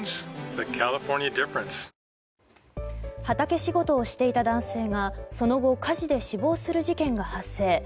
畑仕事をしていた男性がその後火事で死亡する事件が発生。